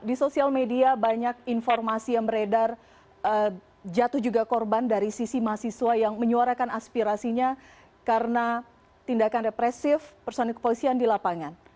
di sosial media banyak informasi yang beredar jatuh juga korban dari sisi mahasiswa yang menyuarakan aspirasinya karena tindakan depresif personik polisi yang dilapangan